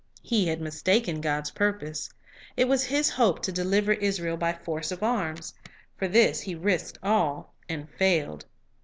He had mistaken God's purpose. It was his hope to deliver Israel by force of arms. For this he risked all, and failed.